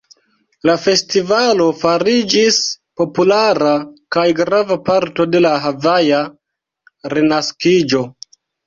La festivalo fariĝis populara kaj grava parto de la havaja renaskiĝo.